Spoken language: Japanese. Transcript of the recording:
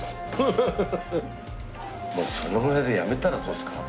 もうそのぐらいでやめたらどうですか？